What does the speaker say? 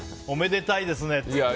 おめでたいですねと。